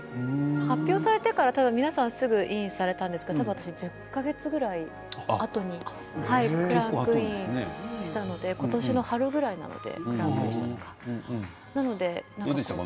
発表されてから、皆さんすぐインされたんですけれど私１０か月ぐらいあとで入ってそこでクランクインしたので今年の春ぐらいだったのでどうでしたか？